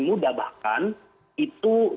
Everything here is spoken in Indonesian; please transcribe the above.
muda bahkan itu